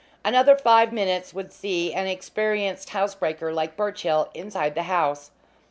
Another five minutes would see an experienced housebreaker like Birchill inside the house.